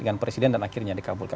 dengan presiden dan akhirnya dikabulkan